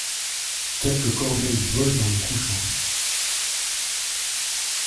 Quelques corneilles volent dans le couchant.